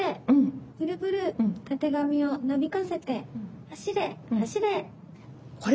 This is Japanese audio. ブルブルたてがみをなびかせてはしれ！はしれ！